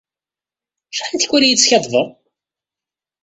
Acḥal n tikwal i yi-d-teskaddbeḍ?